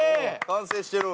完成してる。